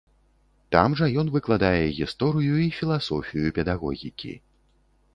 Там жа ён выкладае гісторыю і філасофію педагогікі.